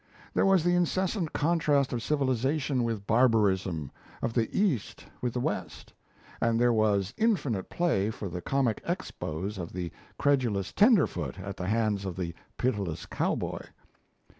There was the incessant contrast of civilization with barbarism, of the East with the West; and there was infinite play for the comic expose of the credulous "tenderfoot" at the hands of the pitiless cowboy.